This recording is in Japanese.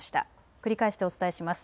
繰り返してお伝えします。